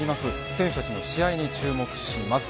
選手たちの試合に注目します。